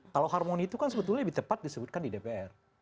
kalau harmoni itu kan sebetulnya lebih tepat disebutkan di dpr